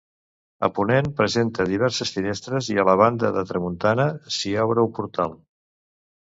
A ponent presenta diverses finestres i a la banda de tramuntana s'hi obre un portal.